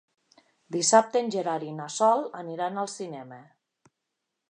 Dissabte en Gerard i na Sol aniran al cinema.